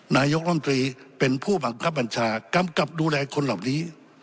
นายกรมตรีเป็นผู้บังคับบัญชากำกับดูแลคนเหล่านี้